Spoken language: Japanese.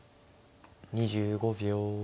２５秒。